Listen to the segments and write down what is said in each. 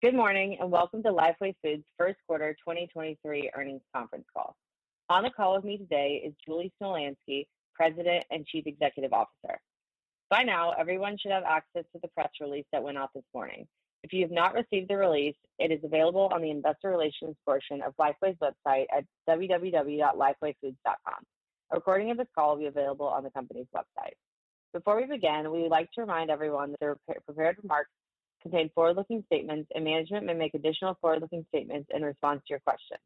Good morning, and welcome to Lifeway Foods' 1st quarter 2023 earnings conference call. On the call with me today is Julie Smolyansky, President and Chief Executive Officer. By now, everyone should have access to the press release that went out this morning. If you have not received the release, it is available on the investor relations portion of Lifeway's website at www.lifewayfoods.com. A recording of this call will be available on the company's website. Before we begin, we would like to remind everyone that our pre-prepared remarks contain forward-looking statements, and management may make additional forward-looking statements in response to your questions.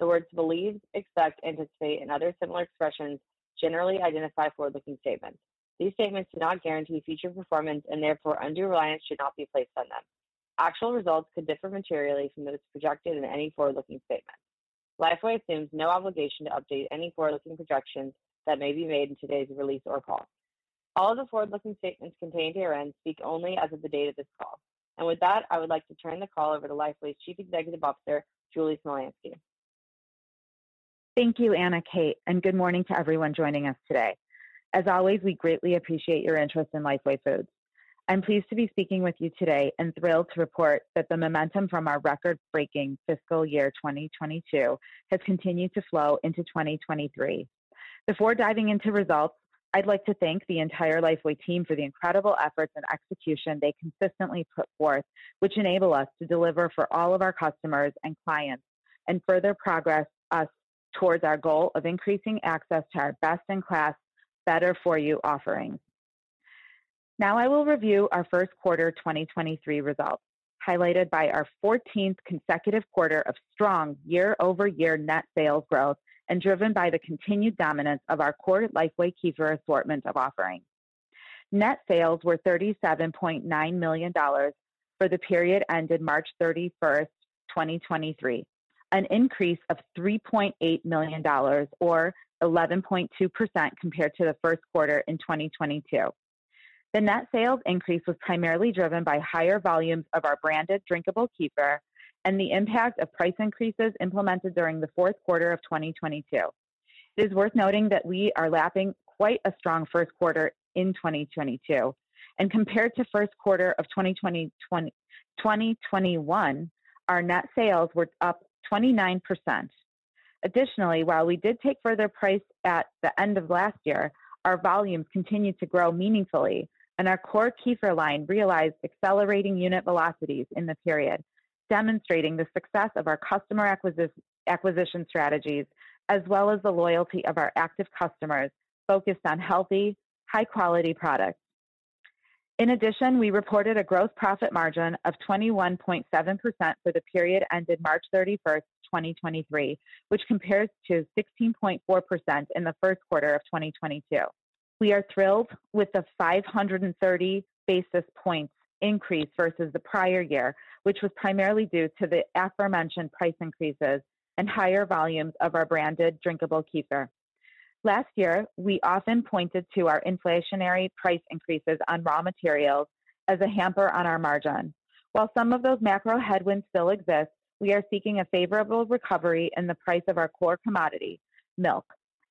The words believe, expect, anticipate, and other similar expressions generally identify forward-looking statements. These statements do not guarantee future performance, and therefore undue reliance should not be placed on them. Actual results could differ materially from those projected in any forward-looking statement. Lifeway assumes no obligation to update any forward-looking projections that may be made in today's release or call. All of the forward-looking statements contained herein speak only as of the date of this call. With that, I would like to turn the call over to Lifeway's Chief Executive Officer, Julie Smolyansky. Thank you, Anna Kate, and good morning to everyone joining us today. As always, we greatly appreciate your interest in Lifeway Foods. I'm pleased to be speaking with you today and thrilled to report that the momentum from our record-breaking fiscal year 2022 has continued to flow into 2023. Before diving into results, I'd like to thank the entire Lifeway team for the incredible efforts and execution they consistently put forth, which enable us to deliver for all of our customers and clients and further progress us towards our goal of increasing access to our best-in-class, better for you offerings. Now I will review our 1st quarter 2023 results, highlighted by our 14th consecutive quarter of strong year-over-year net sales growth and driven by the continued dominance of our core Lifeway Kefir assortment of offerings. Net sales were $37.9 million for the period ended March 31, 2023, an increase of $3.8 million or 11.2% compared to the first quarter in 2022. The net sales increase was primarily driven by higher volumes of our branded drinkable kefir and the impact of price increases implemented during the fourth quarter of 2022. It is worth noting that we are lapping quite a strong first quarter in 2022, and compared to first quarter of 2021, our net sales were up 29%. Additionally, while we did take further price at the end of last year, our volumes continued to grow meaningfully, and our core kefir line realized accelerating unit velocities in the period, demonstrating the success of our customer acquisition strategies, as well as the loyalty of our active customers focused on healthy, high-quality products. In addition, we reported a gross profit margin of 21.7% for the period ended March 31, 2023, which compares to 16.4% in the first quarter of 2022. We are thrilled with the 530 basis points increase versus the prior year, which was primarily due to the aforementioned price increases and higher volumes of our branded drinkable kefir. Last year, we often pointed to our inflationary price increases on raw materials as a hamper on our margin. While some of those macro headwinds still exist, we are seeking a favorable recovery in the price of our core commodity, milk,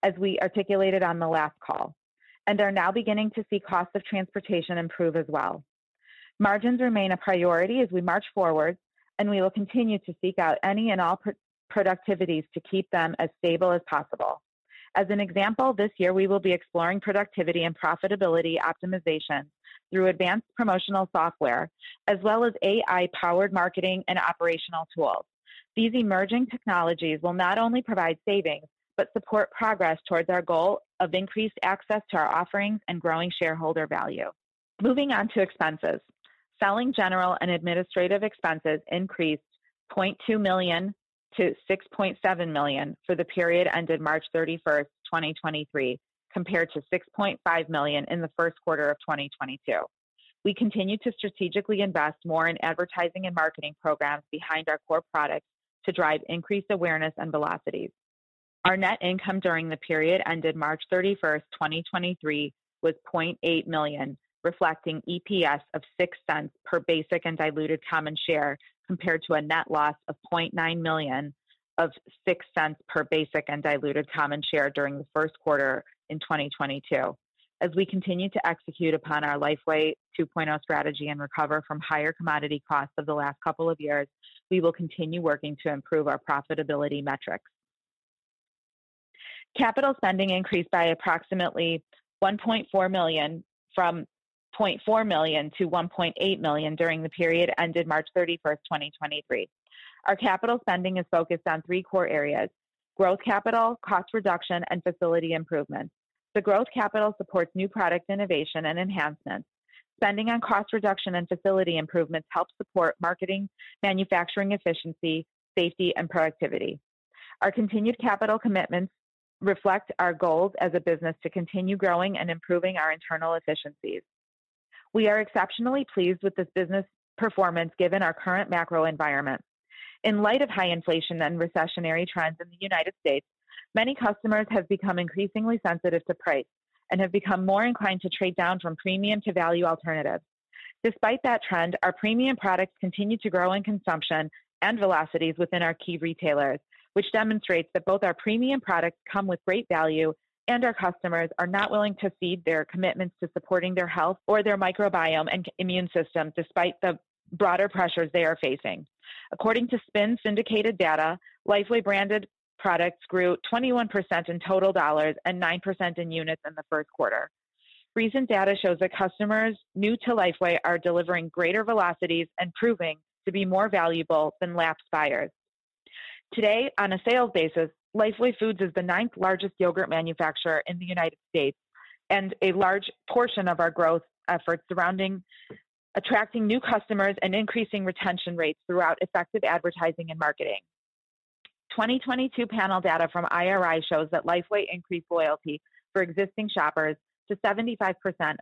as we articulated on the last call, and are now beginning to see costs of transportation improve as well. Margins remain a priority as we march forward, and we will continue to seek out any and all pro-productivities to keep them as stable as possible. As an example, this year we will be exploring productivity and profitability optimization through advanced promotional software as well as AI-powered marketing and operational tools. These emerging technologies will not only provide savings, but support progress towards our goal of increased access to our offerings and growing shareholder value. Moving on to expenses. Selling general and administrative expenses increased $0.2 million to $6.7 million for the period ended March 31, 2023, compared to $6.5 million in the first quarter of 2022. We continue to strategically invest more in advertising and marketing programs behind our core products to drive increased awareness and velocities. Our net income during the period ended March 31, 2023, was $0.8 million, reflecting EPS of $0.06 per basic and diluted common share, compared to a net loss of $0.9 million of $0.06 per basic and diluted common share during the first quarter in 2022. As we continue to execute upon our Lifeway 2.0 strategy and recover from higher commodity costs of the last couple of years, we will continue working to improve our profitability metrics. Capital spending increased by approximately $1.4 million from $0.4 million to $1.8 million during the period ended March 31st, 2023. Our capital spending is focused on three core areas: growth capital, cost reduction, and facility improvements. The growth capital supports new product innovation and enhancements. Spending on cost reduction and facility improvements helps support marketing, manufacturing efficiency, safety, and productivity. Our continued capital commitments reflect our goals as a business to continue growing and improving our internal efficiencies. We are exceptionally pleased with this business performance given our current macro environment. In light of high inflation and recessionary trends in the United States, many customers have become increasingly sensitive to price and have become more inclined to trade down from premium to value alternatives. Despite that trend, our premium products continue to grow in consumption and velocities within our key retailers, which demonstrates that both our premium products come with great value, and our customers are not willing to cede their commitments to supporting their health or their microbiome and immune system despite the broader pressures they are facing. According to SPINS syndicated data, Lifeway-branded products grew 21% in total dollars and 9% in units in the first quarter. Recent data shows that customers new to Lifeway are delivering greater velocities and proving to be more valuable than lapsed buyers. Today, on a sales basis, Lifeway Foods is the ninth-largest yogurt manufacturer in the United States, a large portion of our growth efforts surrounding attracting new customers and increasing retention rates throughout effective advertising and marketing. 2022 panel data from IRI shows that Lifeway increased loyalty for existing shoppers to 75%,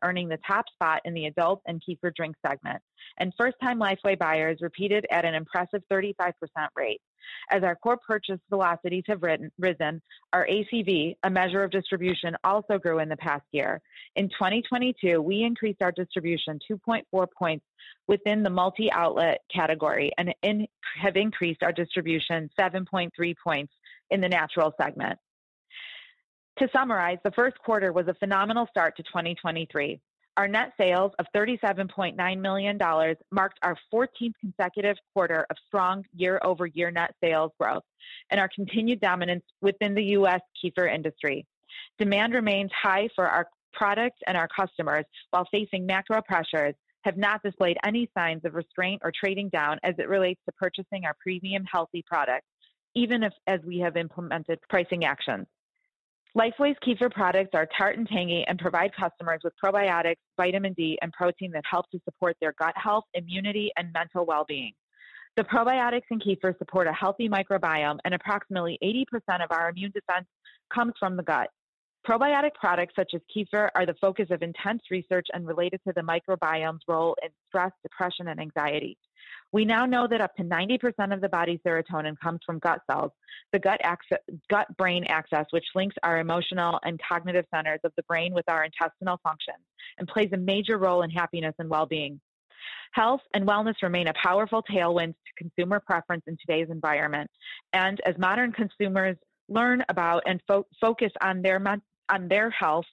earning the top spot in the adult and kefir drink segment. First-time Lifeway buyers repeated at an impressive 35% rate. As our core purchase velocities have risen, our ACV, a measure of distribution, also grew in the past year. In 2022, we increased our distribution 2.4 points within the multi-outlet category have increased our distribution 7.3 points in the natural segment. To summarize, the first quarter was a phenomenal start to 2023. Our net sales of $37.9 million marked our 14th consecutive quarter of strong year-over-year net sales growth and our continued dominance within the U.S. kefir industry. Demand remains high for our products, and our customers, while facing macro pressures, have not displayed any signs of restraint or trading down as it relates to purchasing our premium healthy products, even if as we have implemented pricing actions. Lifeway's kefir products are tart and tangy and provide customers with probiotics, vitamin D, and protein that help to support their gut health, immunity, and mental well-being. The probiotics in kefir support a healthy microbiome, and approximately 80% of our immune defense comes from the gut. Probiotic products such as kefir are the focus of intense research and related to the microbiome's role in stress, depression, and anxiety. We now know that up to 90% of the body's serotonin comes from gut cells, the gut-brain axis, which links our emotional and cognitive centers of the brain with our intestinal function and plays a major role in happiness and well-being. Health and wellness remain a powerful tailwind to consumer preference in today's environment. As modern consumers learn about and focus on their health,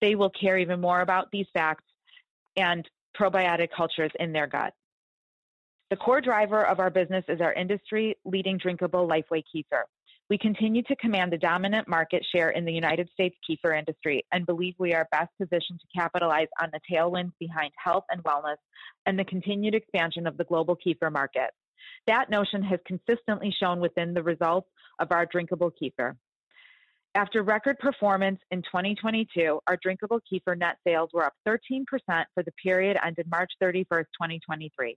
they will care even more about these facts and probiotic cultures in their gut. The core driver of our business is our industry-leading drinkable Lifeway Kefir. We continue to command a dominant market share in the United States kefir industry and believe we are best positioned to capitalize on the tailwinds behind health and wellness and the continued expansion of the global kefir market. That notion has consistently shown within the results of our drinkable kefir. After record performance in 2022, our drinkable kefir net sales were up 13% for the period ended March 31st, 2023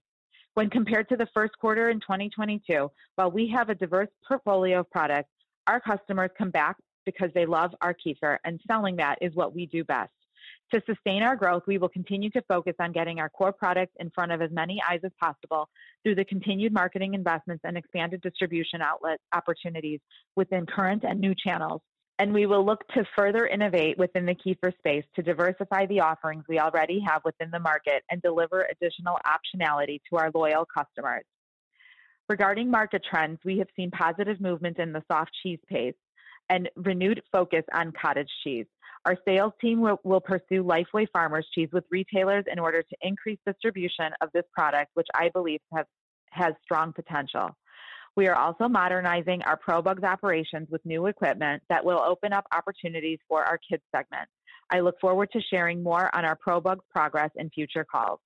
when compared to the first quarter in 2022. While we have a diverse portfolio of products, our customers come back because they love our kefir, and selling that is what we do best. To sustain our growth, we will continue to focus on getting our core products in front of as many eyes as possible through the continued marketing investments and expanded distribution outlet opportunities within current and new channels. We will look to further innovate within the kefir space to diversify the offerings we already have within the market and deliver additional optionality to our loyal customers. Regarding market trends, we have seen positive movement in the soft cheese space and renewed focus on cottage cheese. Our sales team will pursue Lifeway Farmer's Cheese with retailers in order to increase distribution of this product, which I believe has strong potential. We are also modernizing our ProBugs operations with new equipment that will open up opportunities for our kids segment. I look forward to sharing more on our ProBugs progress in future calls.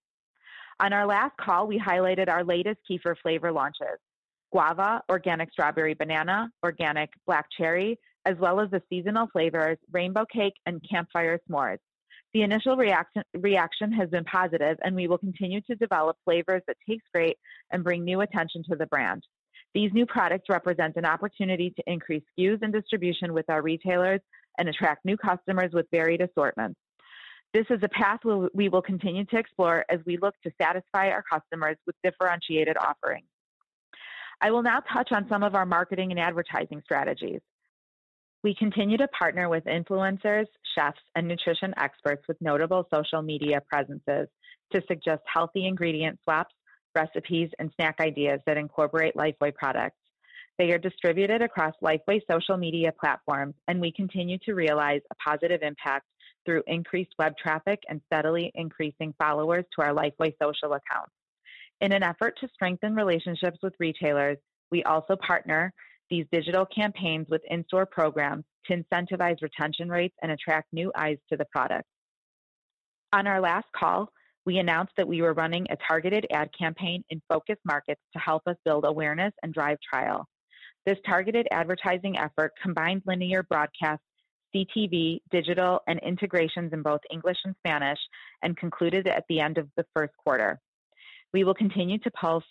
On our last call, we highlighted our latest kefir flavor launches, Guava, Organic Strawberry Banana, Organic Black Cherry, as well as the seasonal flavors, Rainbow Cake, and Campfire S'mores. The initial reaction has been positive, and we will continue to develop flavors that taste great and bring new attention to the brand. These new products represent an opportunity to increase SKUs and distribution with our retailers and attract new customers with varied assortments. This is a path we will continue to explore as we look to satisfy our customers with differentiated offerings. I will now touch on some of our marketing and advertising strategies. We continue to partner with influencers, chefs, and nutrition experts with notable social media presences to suggest healthy ingredient swaps, recipes, and snack ideas that incorporate Lifeway products. They are distributed across Lifeway's social media platforms, and we continue to realize a positive impact through increased web traffic and steadily increasing followers to our Lifeway social accounts. In an effort to strengthen relationships with retailers, we also partner these digital campaigns with in-store programs to incentivize retention rates and attract new eyes to the product. On our last call, we announced that we were running a targeted ad campaign in focus markets to help us build awareness and drive trial. This targeted advertising effort combined linear broadcast, CTV, digital, and integrations in both English and Spanish and concluded at the end of the first quarter. We will continue to pulse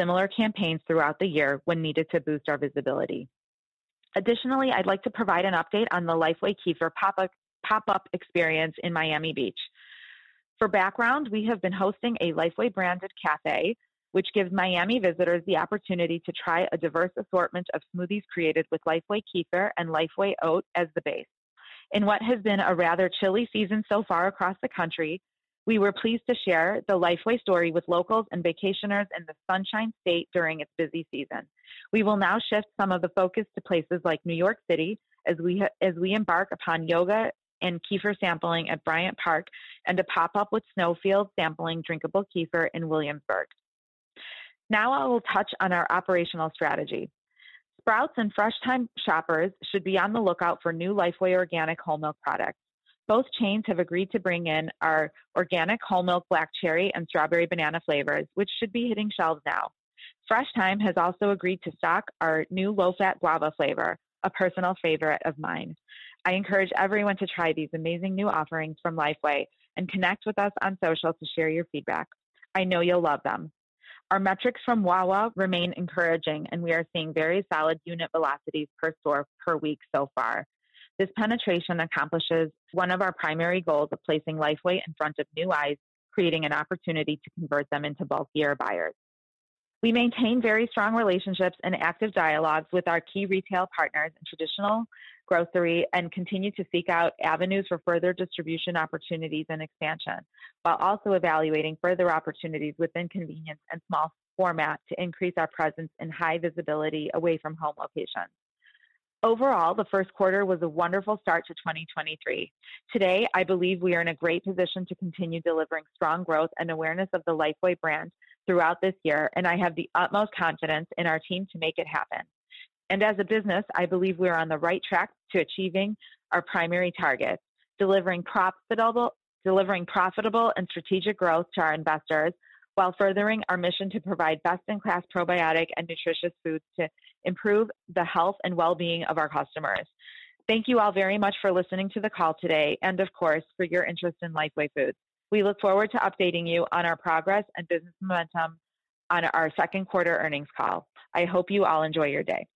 similar campaigns throughout the year when needed to boost our visibility. Additionally, I'd like to provide an update on the Lifeway Kefir pop-up experience in Miami Beach. For background, we have been hosting a Lifeway-branded cafe, which gives Miami visitors the opportunity to try a diverse assortment of smoothies created with Lifeway Kefir and Lifeway Oat as the base. In what has been a rather chilly season so far across the country, we were pleased to share the Lifeway story with locals and vacationers in the Sunshine State during its busy season. We will now shift some of the focus to places like New York City as we, as we embark upon yoga and kefir sampling at Bryant Park and a pop-up with Snowfields sampling drinkable kefir in Williamsburg. Now I will touch on our operational strategy. Sprouts and Fresh Thyme shoppers should be on the lookout for new Lifeway organic whole milk products. Both chains have agreed to bring in our Organic Whole Milk Black Cherry and Organic Strawberry Banana flavors, which should be hitting shelves now. Fresh Thyme has also agreed to stock our new Low-fat Guava flavor, a personal favorite of mine. I encourage everyone to try these amazing new offerings from Lifeway and connect with us on social to share your feedback. I know you'll love them. Our metrics from Wawa remain encouraging, and we are seeing very solid unit velocities per store per week so far. This penetration accomplishes one of our primary goals of placing Lifeway in front of new eyes, creating an opportunity to convert them into bulkier buyers. We maintain very strong relationships and active dialogues with our key retail partners in traditional grocery, continue to seek out avenues for further distribution opportunities and expansion, while also evaluating further opportunities within convenience and small format to increase our presence and high visibility away from home locations. Overall, the first quarter was a wonderful start to 2023. Today, I believe we are in a great position to continue delivering strong growth and awareness of the Lifeway brand throughout this year. I have the utmost confidence in our team to make it happen. As a business, I believe we are on the right track to achieving our primary targets, delivering profitable and strategic growth to our investors while furthering our mission to provide best-in-class probiotic and nutritious foods to improve the health and well-being of our customers. Thank you all very much for listening to the call today and of course, for your interest in Lifeway Foods. We look forward to updating you on our progress and business momentum on our second quarter earnings call. I hope you all enjoy your day.